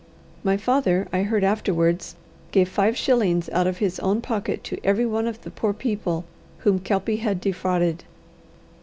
My father, I heard afterwards, gave five shillings out of his own pocket to every one of the poor people whom the Kelpie had defrauded.